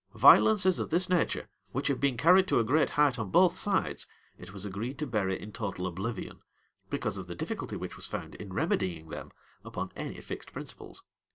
Violences of this nature, which had been carried to a great height on both sides, it was agreed to bury in total oblivion; because of the difficulty which was found in remedying them upon any fixed principles.